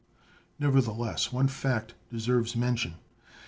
Nevertheless, one fact deserves mention, viz.